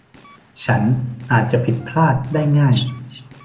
ฉันอาจจะผิดพลาดได้ง่าย